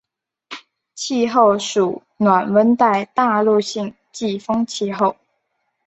气候属暖温带大陆性季风气候。